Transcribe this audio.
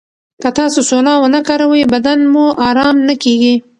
که تاسو سونا ونه کاروئ، بدن مو ارام نه کېږي.